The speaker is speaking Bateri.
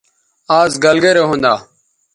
آز گَلگرے ھوندا